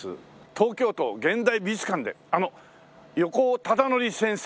東京都現代美術館であの横尾忠則先生がですね